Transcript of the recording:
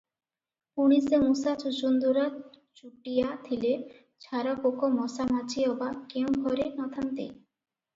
ପୁଣି ସେ ମୂଷା ଚୂଚୂନ୍ଦୁରା ଚୁଟିଆ ଥିଲେ ଛାରପୋକ ମଶାମାଛି ଅବା କେଉଁ ଘରେ ନ ଥାନ୍ତି?